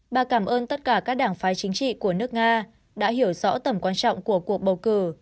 bà cảm ơn tất cả các đảng phái chính trị của nước nga đã hiểu rõ tầm quan trọng của cuộc bầu cử